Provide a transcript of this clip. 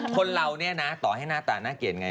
คนเราเนี่ยนะต่อให้หน้าตาน่าเกลียดไง